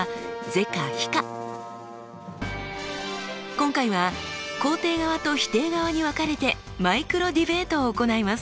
今回は肯定側と否定側に分かれてマイクロディベートを行います。